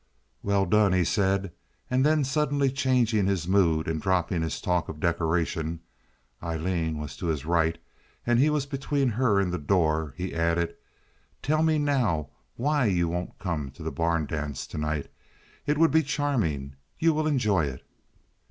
"Well done," he said, and then, suddenly changing his mood and dropping his talk of decoration (Aileen was to his right, and he was between her and the door), he added: "Tell me now why won't you come to the barn dance to night? It would be charming. You will enjoy it."